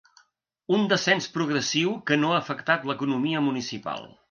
Un descens progressiu que no ha afectat l’economia municipal.